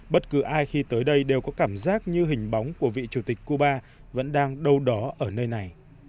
bất cứ ai khi tới đây đều có cảm giác như hình bóng của vị chủ tịch cuba vẫn đang đâu đó ở nơi này